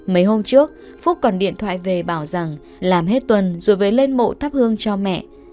mấy hôm trước phúc còn điện thoại về bảo rằng làm hết tuần rồi về lên mộ thắp hương cho mẹ